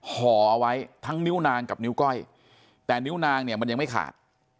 ห่อเอาไว้ทั้งนิ้วนางกับนิ้วก้อยแต่นิ้วนางเนี่ยมันยังไม่ขาด